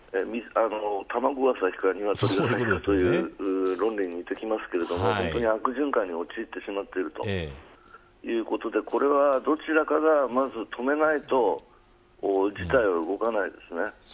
卵が先か鶏が先かという論理になりますが本当に、悪循環に陥ってしまっているということでこれはどちらかが止めないと事態は動かないですね。